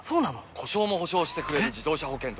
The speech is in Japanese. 故障も補償してくれる自動車保険といえば？